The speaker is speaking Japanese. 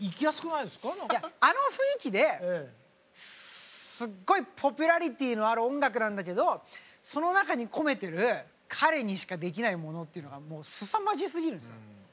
いやあの雰囲気ですごいポピュラリティーのある音楽なんだけどその中に込めてる彼にしかできないものっていうのがすさまじすぎるんですよ。